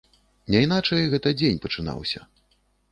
Няйначай, гэта дзень пачынаўся.